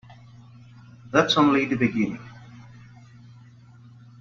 That's only the beginning.